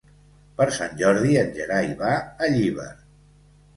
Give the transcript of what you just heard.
Per Sant Jordi en Gerai va a Llíber.